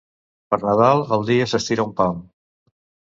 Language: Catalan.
Per Nadal el dia s'estira un pam.